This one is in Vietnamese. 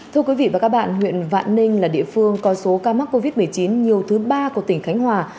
thưa quý vị và các bạn huyện vạn ninh là địa phương có số ca mắc covid một mươi chín nhiều thứ ba của tỉnh khánh hòa